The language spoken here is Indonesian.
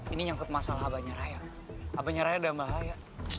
ini nyangkut masalah abangnya raya abangnya raya udah bahaya